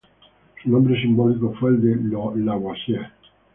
Su nombre simbólico fue el de Lavoisier.